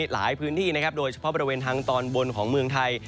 หลายพื้นที่นะครับโดยเฉพาะบริเวณทางตอนบนของเมืองไทย